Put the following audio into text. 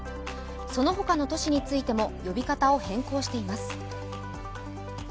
そのほかの都市についても呼び方を変更しています。